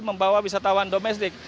membawa wisatawan domestik